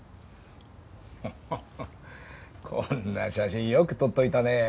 ハハハこんな写真よく取っておいたねえ。